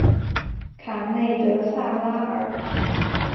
卡内德萨拉尔。